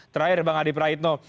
terakhir bang adi praitno